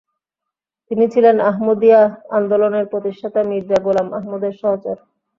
তিনি ছিলেন আহমদিয়া আন্দোলনের প্রতিষ্ঠাতা মির্জা গোলাম আহমদের সহচর।